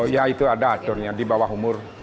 ya itu ada aturnya di bawah umur